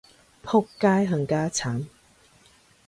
僕街冚家鏟